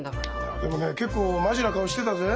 でもね結構マジな顔してたぜ。